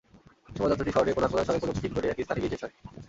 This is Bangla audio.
শোভাযাত্রাটি শহরের প্রধান প্রধান সড়ক প্রদক্ষিণ করে একই স্থানে গিয়ে শেষ হয়।